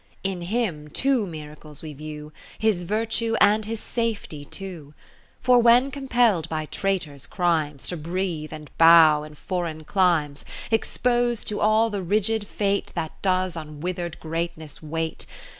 In him two miracles we view, His virtue and his safety too : For when compell'd by traitors' crimes To breathe and bow in foreign climes, Expos'd to all the rigid fate That does on wither'd greatness wait.